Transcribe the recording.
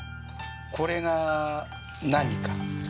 これが何か？